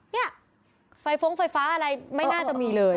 เนี่ยไฟฟ้องไฟฟ้าอะไรไม่น่าจะมีเลย